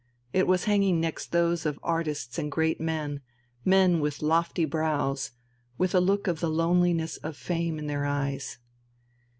It was hanging next those of artists and great men, men with lofty brows, with a look of the loneliness of fame in their eyes.